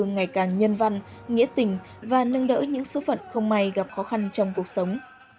ngày càng nhân văn nghĩa tình và nâng đỡ những số phận không may gặp khó khăn trong cuộc sống